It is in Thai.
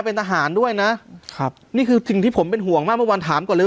เป็นทหารด้วยนะครับนี่คือสิ่งที่ผมเป็นห่วงมากเมื่อวานถามก่อนเลย